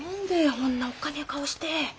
ほんなおっかねえ顔して。